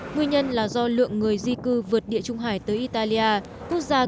nguyên nhân là do lượng người di cư vượt địa trung hải tới italia